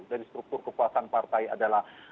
dari struktur kekuasaan partai adalah